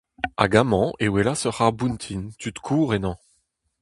Hag amañ e welas ur c'harr-boutin, tud kozh ennañ.